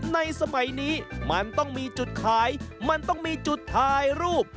ในสมัยนี้มันต้องมีจุดขายมันต้องมีจุดถ่ายรูป